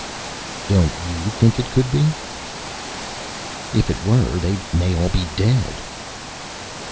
"Don't you think it could be?" "If it were, they may all be dead."